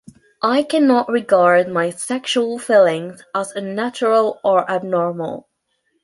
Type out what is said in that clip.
I cannot regard my sexual feelings as unnatural or abnormal.